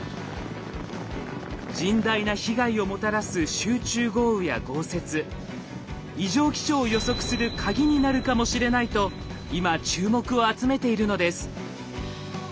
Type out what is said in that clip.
甚大な被害をもたらす集中豪雨や豪雪異常気象を予測するカギになるかもしれないと今注目を集めているのです。